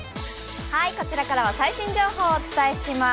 こちらからは最新情報をお伝えします。